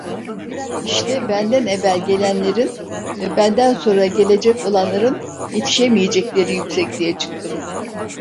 İşte, benden evvel gelenlerin ve benden sonra gelecek olanların yetişemeyecekleri yüksekliğe çıktım.